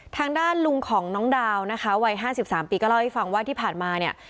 ทางด้านลุงของน้องดาวนะคะวัย๕๓ปีก็เล่าให้ฟังว่าที่ผ่านมาเนี่ย